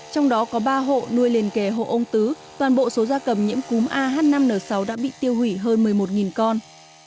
trong đó có ba hộ nuôi liền kề hộ ông tứ toàn bộ số gia cầm nhiễm cúm ah năm n sáu đã bị tiêu hủy hơn một mươi một con